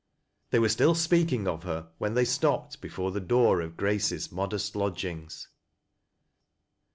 They were still speaking of her when they stopped before the door of Grace's modest lodgings.